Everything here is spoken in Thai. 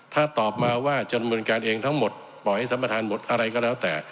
ถ้าตอบมาว่าจะดำเนินการเองทั้งหมดปล่อยให้สัมประธานหมดอะไรก็แล้วแต่